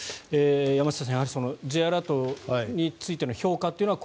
山下さん、Ｊアラートについての評価というのは